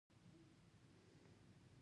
پنځمه مولفه عدم تشدد دی.